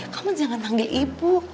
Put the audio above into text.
kamu jangan panggil ibu